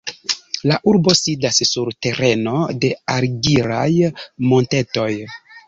La urbo sidas sur tereno de argilaj montetoj.